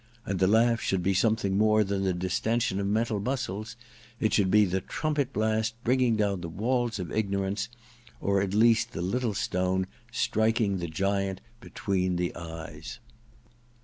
And the laugh should be something more than the distension of mental muscles ; it should be the trumpet blast bringing down the walls of ignorance, or at least the little stone striking the giant between the eyes.